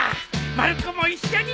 まる子も一緒に！